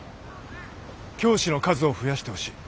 教師の数を増やしてほしい。